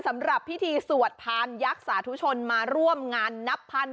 สำหรับพิธีสวดพานยักษ์สาธุชนมาร่วมงานนับพัน